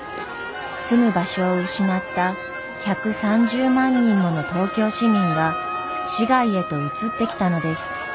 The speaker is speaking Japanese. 住む場所を失った１３０万人もの東京市民が市外へと移ってきたのです。